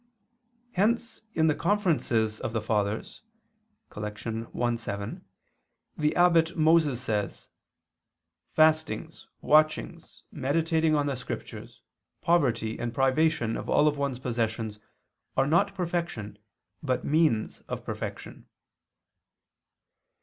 Hence in the Conferences of the Fathers (Coll. i, 7) the abbot Moses says: "Fastings, watchings, meditating on the Scriptures, poverty, and privation of all one's possessions are not perfection, but means of perfection."